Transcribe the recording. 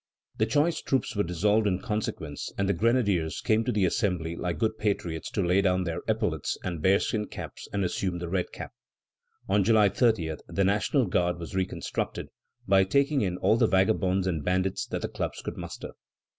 The choice troops were dissolved in consequence, and the grenadiers came to the Assembly like good patriots to lay down their epaulettes and bearskin caps and assume the red cap. On July 30, the National Guard was reconstructed, by taking in all the vagabonds and bandits that the clubs could muster.